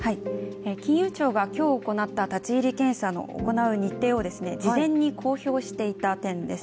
金融庁が今日行った立ち入り検査の行う日程を事前に公表していた点です。